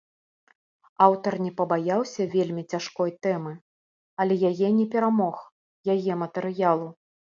Аўтар не пабаяўся вельмі цяжкой тэмы, але яе не перамог, яе матэрыялу.